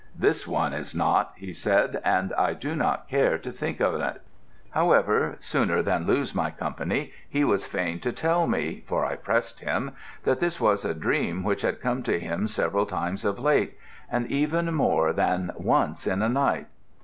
'This one is not,' he said, 'and I do not care to think of it.' "However, sooner than lose my company he was fain to tell me (for I pressed him) that this was a dream which had come to him several times of late, and even more than once in a night.